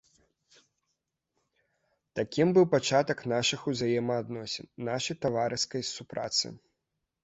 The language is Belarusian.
Такім быў пачатак нашых узаемаадносін, нашай таварыскай супрацы.